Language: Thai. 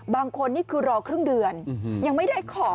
บางคนนี่คือรอครึ่งเดือนยังไม่ได้ขอ